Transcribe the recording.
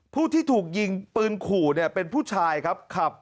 ผู้ที่ถูกยิงปืนขู่เนี่ยเป็นผู้ชายครับ